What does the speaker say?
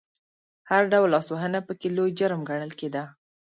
هر ډول لاسوهنه پکې لوی جرم ګڼل کېده.